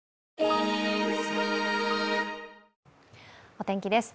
⁉お天気です。